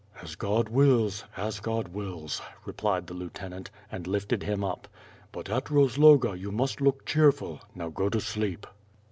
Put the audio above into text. "As God wills; as God wills!" repUed the lieutenant, and lifted him up. "But at Rozloga you must look cheerful. Now go to sleep."